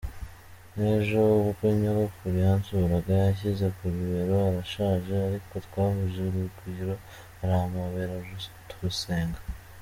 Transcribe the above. Nk’ejo ubwo nyogokuru yansuraga, yanshyize ku bibero; arashaje ariko twahuje urugwiro arampobera turasenga.